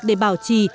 để bảo trì